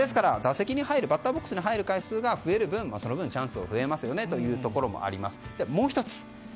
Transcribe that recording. バッターボックスに入る回数が増える分、チャンスが増えますよねというところもあります。